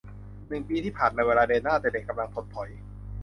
หนึ่งปีที่ผ่านมา เวลาเดินหน้า แต่เด็กกำลังถดถอย